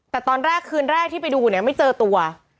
แต่ตอนแรกคืนแรกที่ไปดูเนี่ยไม่เจอตัว